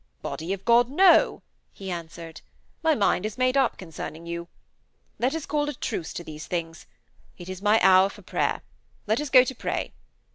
'Body of God, no,' he answered. 'My mind is made up concerning you. Let us call a truce to these things. It is my hour for prayer. Let us go to pray.'